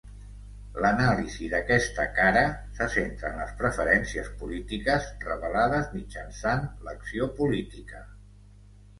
L'anàlisi d'aquesta "cara" se centra en les preferències polítiques revelades mitjançant l'acció política.